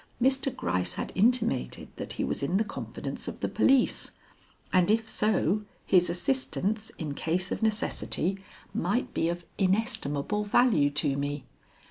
Mr. Gryce had intimated that he was in the confidence of the police, and if so, his assistance in case of necessity might be of inestimable value to me.